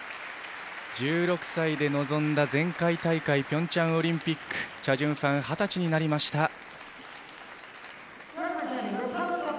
１６歳で臨んだ前回大会ピョンチャン大会チャ・ジュンファン二十歳になりました。